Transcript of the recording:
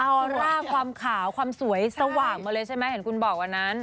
ออร่าความขาวความสวยสว่างมาเลยใช่ไหมเห็นคุณบอกวันนั้น